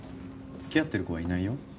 つきあってる子はいないよ。